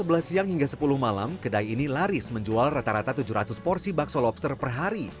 pada pukul sebelas siang hingga sepuluh malam kedai ini laris menjual rata rata tujuh ratus porsi bakso lobster per hari